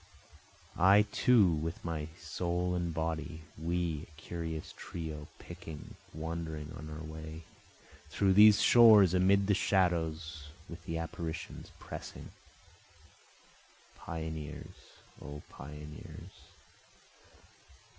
I too with my soul and body, We, a curious trio, picking, wandering on our way, Through these shores amid the shadows, with the apparitions pressing, Pioneers! O pioneers!